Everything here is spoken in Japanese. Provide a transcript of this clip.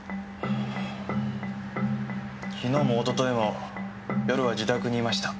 昨日もおとといも夜は自宅にいました。